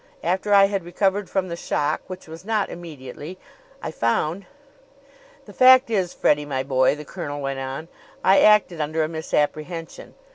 After I had recovered from the shock, which was not immediately, I found " "The fact is, Freddie, my boy," the colonel went on, "I acted under a misapprehension.